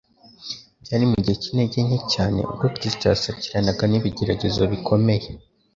Byari mu gihe cy'intege nke cyane ubwo Kristo yasakiranaga n'ibigeragezo bikomeye